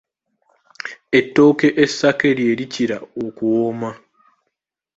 Ettooke essake lye likira okuwooma.